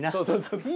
そうそう。